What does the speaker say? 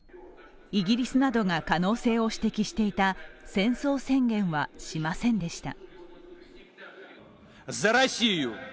イギリスなどが可能性を指摘していた戦争宣言はしませんでした。